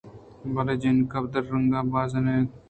بلے جِنِکّ بدرنگ ءَ زبر نہ اَت